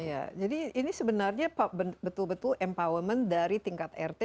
iya jadi ini sebenarnya betul betul empowerment dari tingkat rt